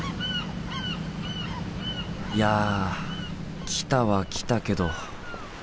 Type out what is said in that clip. いや来たは来たけど。